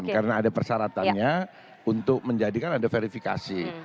karena ada persyaratannya untuk menjadikan ada verifikasi